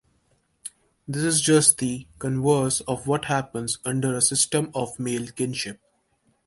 This is just the converse of what happens under a system of male kinship.